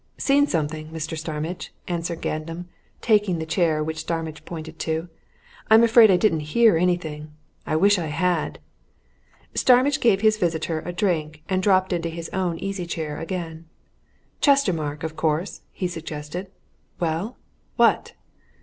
"Seen something, Mr. Starmidge," answered Gandam, taking the chair which Starmidge pointed to. "I'm afraid I didn't hear anything I wish I had!" Starmidge gave his visitor a drink and dropped into his own easy chair again. "Chestermarke, of course!" he suggested. "Well what!"